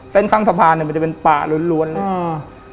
เส้นข้างสะพานมันจะเป็นป่าล้วนเลย